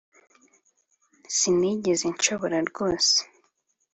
sinigeze nshobora rwose